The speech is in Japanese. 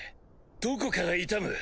どこから痛む？